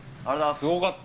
すごかった。